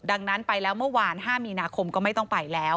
ดังนั้นไปแล้วเมื่อวาน๕มีนาคมก็ไม่ต้องไปแล้ว